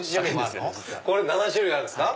これで７種類あるんすか。